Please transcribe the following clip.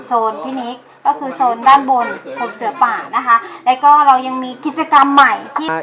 พี่นิกก็คือโซนด้านบนของเสือป่านะคะแล้วก็เรายังมีกิจกรรมใหม่ที่